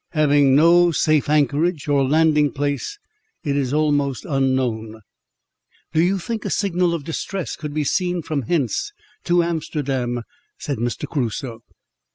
Having no safe anchorage or landing place, it is almost unknown." "Do you think a signal of distress could be seen from hence to Amsterdam?" said Mr. Crusoe.